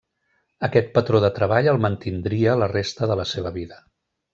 Aquest patró de treball el mantindria la resta de la seva vida.